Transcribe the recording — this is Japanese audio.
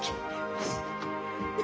よし。